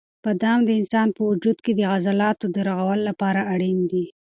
بادام د انسان په وجود کې د عضلاتو د رغولو لپاره اړین دي.